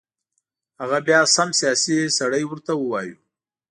هغه بیا سم سیاسي سړی ورته ووایو.